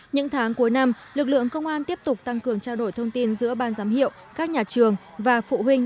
những tháng cuối năm lực lượng công an tiếp tục tăng cường trao đổi thông tin giữa ban giám hiệu các nhà trường và phụ huynh